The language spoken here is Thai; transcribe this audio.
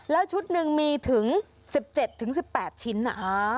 แล้วชุดหนึ่งมีถึงสิบเจ็ดถึงสิบแปดชิ้นอ่ะอ๋อ